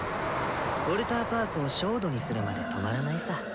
ウォルターパークを焦土にするまで止まらないさ。